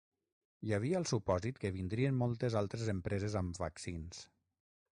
Hi havia el supòsit que vindrien moltes altres empreses amb vaccins.